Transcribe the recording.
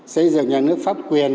xây dựng nhà nước pháp quyền